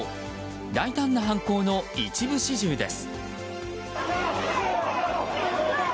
大胆な犯行の一部始終です。